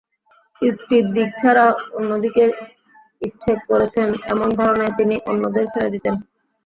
ইস্পিত দিক ছাড়া অন্য দিকের ইচ্ছে করেছেন, এমন ধারণায় তিনি অন্যদের ফেলে দিতেন।